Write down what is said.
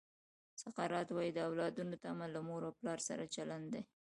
سقراط وایي د اولادونو تمه له مور او پلار سره چلند دی.